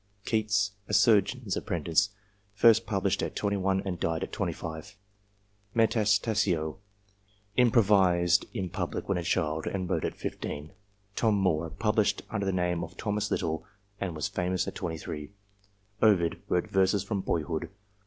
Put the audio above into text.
Keats, a surgeon's apprentice, first pub lished at 21 and died at 25. Metastasio improvised in public when a child, and wrote at 15. Tom Moore pub lished under the name of Thomas Little, and was famous at 28. Ovid wrote verses from boyhood.